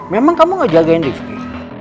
memang kamu ngejagain rizky